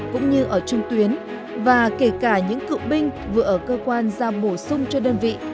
cũng như ở trung tuyến và kể cả những cựu binh vừa ở cơ quan ra bổ sung cho đơn vị